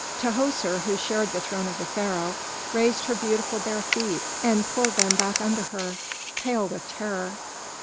Tahoser, who shared the throne of the Pharaoh, raised her beautiful bare feet and pulled them back under her, pale with terror.